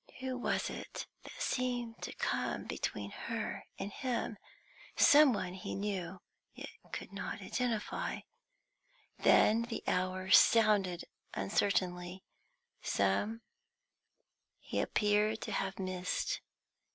Who was it that seemed to come between her and him? some one he knew, yet could not identify. Then the hours sounded uncertainly; some he appeared to have missed.